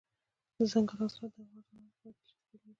دځنګل حاصلات د افغان ځوانانو لپاره دلچسپي لري.